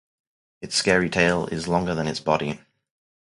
Its scaly tail is longer than its body.